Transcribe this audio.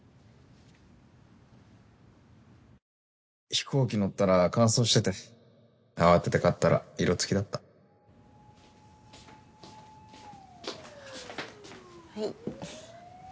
飛行機乗ったら乾燥してて慌てて買ったら色つきだったはい。